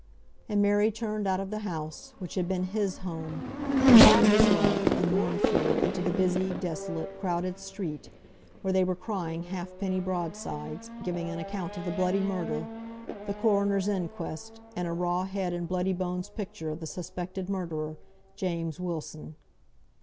And Mary turned out of the house, which had been his home, where he was loved, and mourned for, into the busy, desolate, crowded street, where they were crying halfpenny broadsides, giving an account of the bloody murder, the coroner's inquest, and a raw head and bloody bones picture of the suspected murderer, James Wilson.